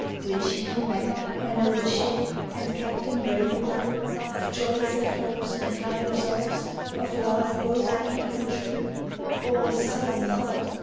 Will she come back, my noble ship, and captain brave and crew Of joys and hopes and high resolves, of love both deep and true? Or, solemn thought!